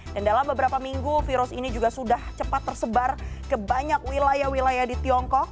dan dalam beberapa minggu virus ini juga sudah cepat tersebar ke banyak wilayah wilayah di tiongkok